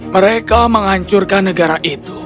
mereka menghancurkan negara itu